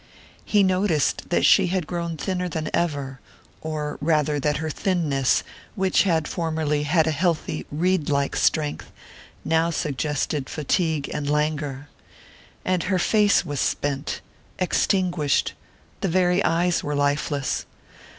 He noticed that she had grown thinner than ever, or rather that her thinness, which had formerly had a healthy reed like strength, now suggested fatigue and languor. And her face was spent, extinguished the very eyes were lifeless.